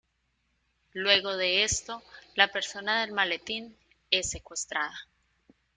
Luego de esto, la persona del maletín es secuestrada.